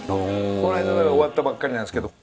この間終わったばっかりなんですけど。